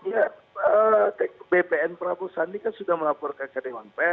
ya bpn prabowo sandi kan sudah melaporkan ke kdmnp